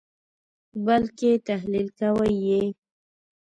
بلکې تحلیل کوئ یې.